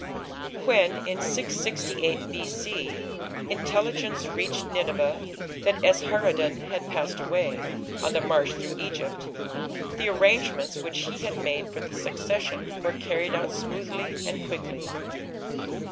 When, in 668 B.C., intelligence reached Nineveh that Esarhaddon had passed away, on the march through Egypt, the arrangements which he had made for the succession were carried out smoothly and quickly.